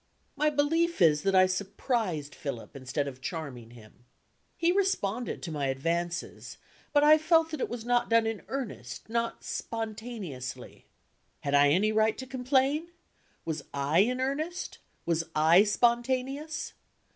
My belief is that I surprised Philip instead of charming him. He responded to my advances, but I felt that it was not done in earnest, not spontaneously. Had I any right to complain? Was I in earnest? Was I spontaneous?